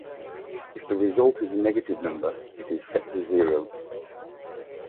If the result is a negative number, it is set to zero.